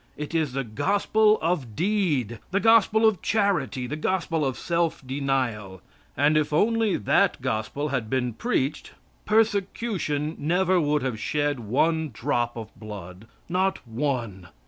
It is the gospel of deed, the gospel of charity, the gospel of self denial; and if only that gospel had been preached, persecution never would have shed one drop of blood. Not one.